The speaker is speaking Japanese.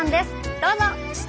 どうぞ！